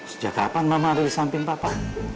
sejak kapan mama ada di samping papa